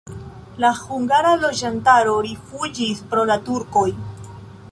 La hungara loĝantaro rifuĝis pro la turkoj.